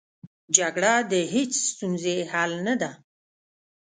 جګړه د هېڅ ستونزې حل نه ده